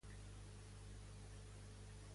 Durant quant de temps va fer de matadora?